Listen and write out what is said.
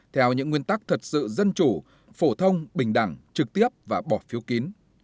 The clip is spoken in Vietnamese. theo những nguyên tắc thật sự dân chủ phổ thông bình đẳng trực tiếp và bỏ phiếu kín